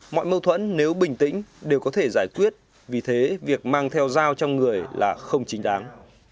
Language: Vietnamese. mọi mâu thuẫn nếu bình tĩnh đều có thể giải quyết vì thế việc mang theo dao trong người là không chính đáng